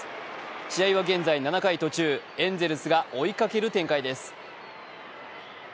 試合は現在７回途中エンゼルスが追いかける展開です。